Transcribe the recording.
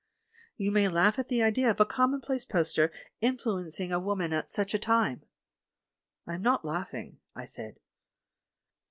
You may laugh at the idea of a commonplace poster influencing a woman at such a time?" "I am not laughing," I said.